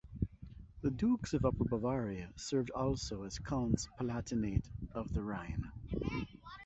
The dukes of Upper Bavaria served also as Counts Palatinate of the Rhine.